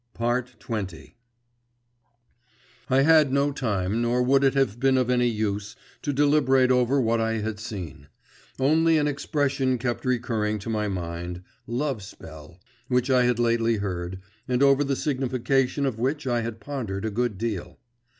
XX I had no time, nor would it have been of any use, to deliberate over what I had seen. Only an expression kept recurring to my mind, 'love spell,' which I had lately heard, and over the signification of which I had pondered a good deal.